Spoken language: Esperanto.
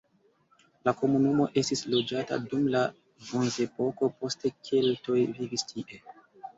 La komunumo estis loĝata dum la bronzepoko, poste keltoj vivis tie.